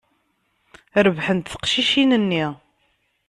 Rebḥent teqcicin-nni.